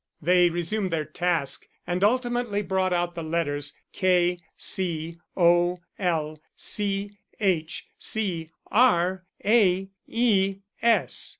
They resumed their task, and ultimately brought out the letters: K, C, O, L, C, H, C, R, A, E, S.